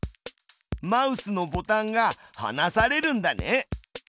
マウスのボタンがはなされるんだね。